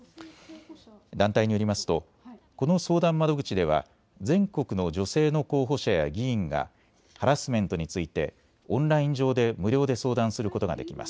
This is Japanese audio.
団体によりますとこの相談窓口では全国の女性の候補者や議員がハラスメントについてオンライン上で無料で相談することができます。